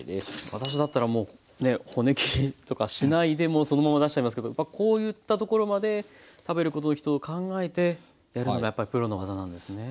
私だったらもう骨切りとかしないでもうそのまま出しちゃいますけどやっぱこういったところまで食べる人のこと考えてやるのがやっぱりプロの技なんですね。